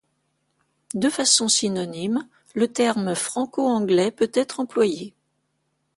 De façon synonyme, le terme franco-anglais peut être employé.